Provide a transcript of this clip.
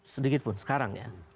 sedikitpun sekarang ya